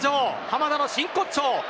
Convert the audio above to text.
濱田の真骨頂。